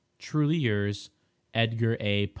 Truly yours, EDGAR A.